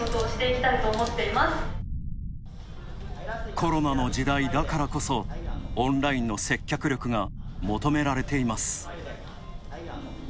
コロナの時代だからこそオンラインの接客力が求められています。